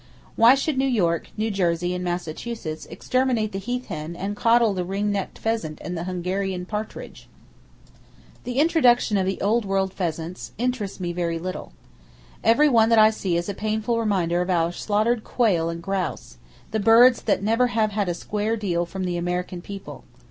Why should New York, New Jersey and Massachusetts [Page 327] exterminate the heath hen and coddle the ring necked pheasant and the Hungarian partridge? The introduction of the old world pheasants interests me very little. Every one that I see is a painful reminder of our slaughtered quail and grouse,—the birds that never have had a square deal from the American people!